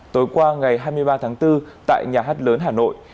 tối qua ngày hai mươi ba tháng bốn tại nhà hát lớn hà nội